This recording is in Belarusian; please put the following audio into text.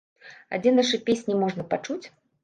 А дзе нашы песні можна пачуць?